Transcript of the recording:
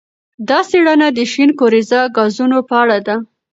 دا څېړنه د شین کوریزه ګازونو په اړه ده.